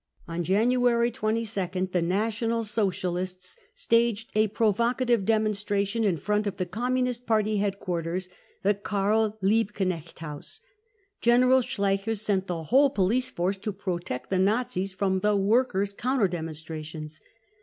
*©n January 22nd the National Socialists staged a pro vocative demonstration in front of the Communist Party headquarters, the Karl Liebknecht House. General Schleicher sent the whole police force to protect the Nazis from the workers' counter demonstrations.